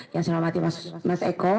yang selamatnya mas eko